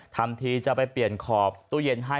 ทำทีจะไปเปลี่ยนขอบตู้เย็นให้